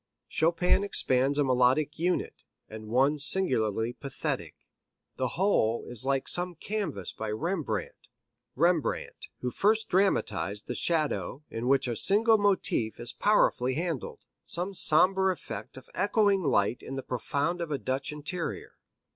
Chopin expands a melodic unit, and one singularly pathetic. The whole is like some canvas by Rembrandt, Rembrandt who first dramatized the shadow in which a single motif is powerfully handled; some sombre effect of echoing light in the profound of a Dutch interior.